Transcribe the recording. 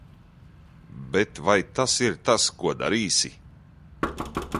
Bet vai tas ir tas, ko darīsi?